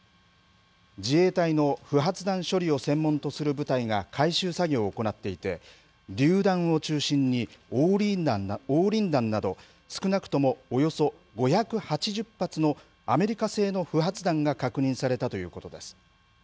自衛隊の不発弾処理を専門とする部隊が回収作業を行っていてりゅう弾を中心に黄リン弾など少なくとも、およそ５８０発のアメリカ製の不発弾が確認されたということです。